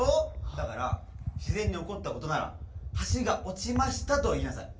だからしぜんにおこったことなら「はしがおちました」といいなさい。